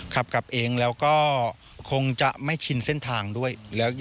ขับกลับเองแล้วก็คงจะไม่ชินเส้นทางด้วย